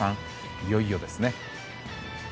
いよいよですね。